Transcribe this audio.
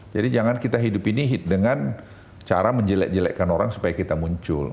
jadi jangan kita hidup ini dengan cara menjelek jelekkan orang supaya kita muncul